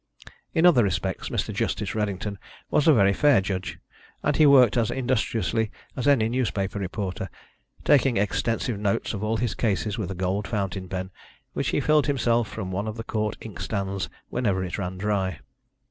In other respects, Mr. Justice Redington was a very fair judge, and he worked as industriously as any newspaper reporter, taking extensive notes of all his cases with a gold fountain pen, which he filled himself from one of the court inkstands whenever it ran dry.